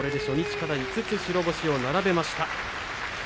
５つ白星を並べました。